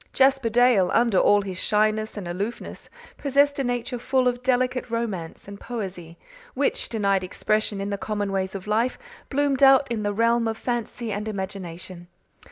Jasper Dale, under all his shyness and aloofness, possessed a nature full of delicate romance and poesy, which, denied expression in the common ways of life, bloomed out in the realm of fancy and imagination.